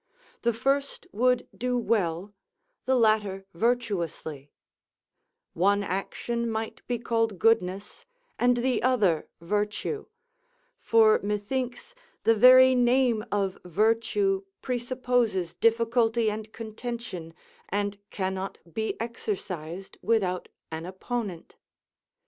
The first would do well; the latter virtuously: one action might be called goodness, and the other virtue; for methinks, the very name of virtue presupposes difficulty and contention, and cannot be exercised without an opponent.